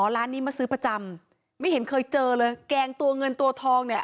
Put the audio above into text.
ร้านนี้มาซื้อประจำไม่เห็นเคยเจอเลยแกงตัวเงินตัวทองเนี่ย